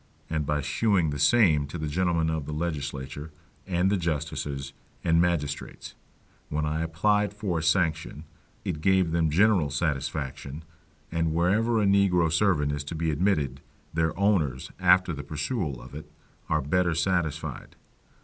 And by shewing the same to the gentlemen of the legislature, and the justices, and magistrates, when I applied for a sanction, it gave them general satisfaction; and wherever a negro servant is to be admitted, their owners, after the perusal of it, are better satisfied.